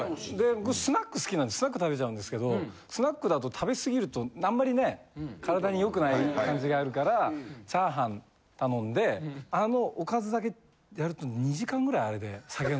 僕スナック好きなんでスナック食べちゃうんですけどスナックだと食べ過ぎるとあんまりね体に良くない感じがあるからチャーハン頼んであの。